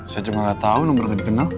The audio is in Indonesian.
saya cuma gak tau nomornya dikenal